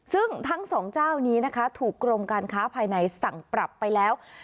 ซึ่งทั้งสองเจ้านี้นะคะถูกกรมการค้าภายในสั่งปรับไปแล้ว